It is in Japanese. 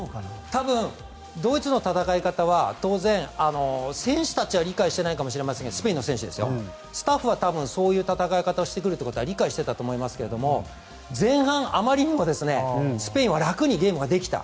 ドイツの戦い方は当然、スペインの選手たちは理解してないかもしれませんがスタッフはそういう戦い方をしてくると理解していたと思いますが前半、あまりにもスペインは楽にゲームができた。